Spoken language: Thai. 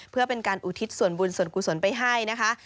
เพื่อเป็นการอุทิศส่วนบุญส่วนกุศลไปให้นะคะ